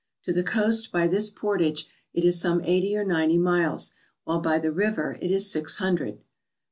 To the coast by this portage it is some eighty or ninety miles, while by the river it is six hundred.